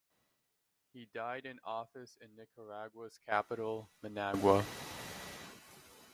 He died in office in Nicaragua's capital Managua.